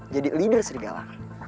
jadi leader serigala